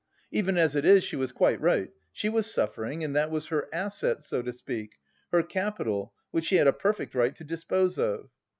Even as it is, she was quite right: she was suffering and that was her asset, so to speak, her capital which she had a perfect right to dispose of.